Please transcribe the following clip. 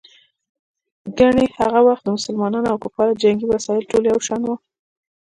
ګیني هغه وخت د مسلمانانو او کفارو جنګي وسایل ټول یو شان وو.